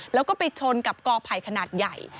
แล้วก็ไปชนกับกอไผ่ขนาดใหญ่